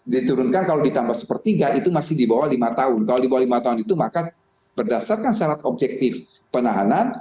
diturunkan kalau ditambah sepertiga itu masih dibawah lima tahun kalau dibawah lima tahun itu maka berdasarkan syarat objektif penahanan